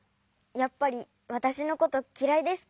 やっぱりわたしのこときらいですか？